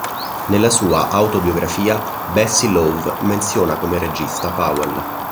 Nella sua autobiografia, Bessie Love menziona come regista Powell.